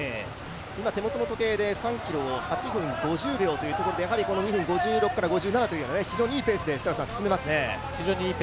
今、手元の時計で３ｋｍを８分５０秒というところを２分５６から５７という非常にいいペースで進んでいますね。